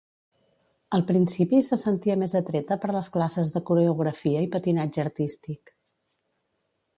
Al principi, se sentia més atreta per les classes de coreografia i patinatge artístic.